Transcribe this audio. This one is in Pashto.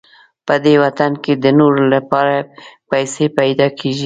په دې وطن کې د نورو لپاره پیسې پیدا کېږي.